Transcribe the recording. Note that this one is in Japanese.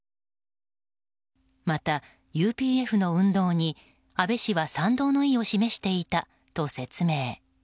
またＵＰＦの運動に安倍氏は賛同の意を示していたと説明。